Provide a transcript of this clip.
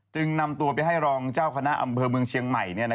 นำตัวไปให้รองเจ้าคณะอำเภอเมืองเชียงใหม่